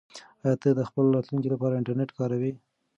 آیا ته د خپل راتلونکي لپاره انټرنیټ کاروې؟